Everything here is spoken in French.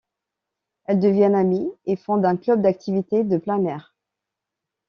Elles deviennent amies, et fondent un club d'activités de plein air.